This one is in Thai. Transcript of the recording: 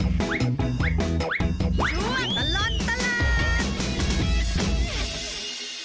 ช่วงตลอดตลาด